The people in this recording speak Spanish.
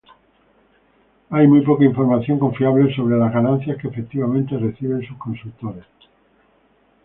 Hay muy poca información confiable sobre las ganancias que efectivamente reciben sus consultores.